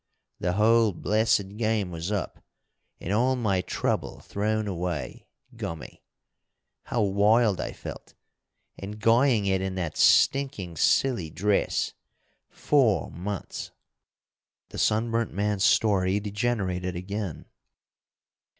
The whole blessed game was up, and all my trouble thrown away. Gummy! How wild I felt! And guying it in that stinking silly dress! Four months!" The sunburnt man's story degenerated again.